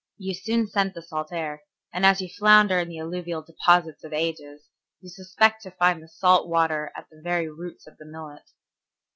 You soon scent the salt air, and as you flounder in the alluvial deposits of ages, you expect to find the salt water at the very roots of the millet.